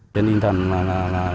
đến in thần nhà thầu